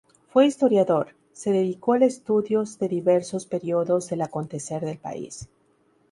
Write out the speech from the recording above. Fue historiador; se dedicó al estudios de diversos períodos del acontecer del país.